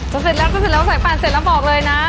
จะเสร็จแล้วใส่ปากเสร็จแล้วบอกเลยนะ